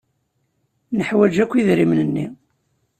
Neḥwaj akk idrimen-nni.